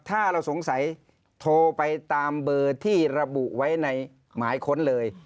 ถ้าเราสงสัยโทรไปตามเบอร์ที่ระบุไว้ในหมายค้นเลย